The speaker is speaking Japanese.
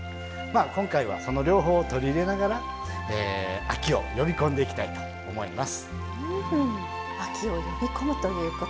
今回は、その両方を取り入れながら秋を呼び込んでいきたいと思います。